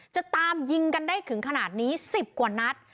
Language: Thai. จะตามยิงกันได้ถึงขนาดนี้๑๐กว่านัด